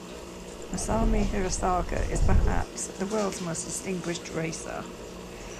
Masami Hirosaka is perhaps the world's most distinguished racer.